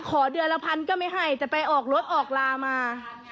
ขอเดือนละพันก็ไม่ให้แต่ไปออกรถออกลามา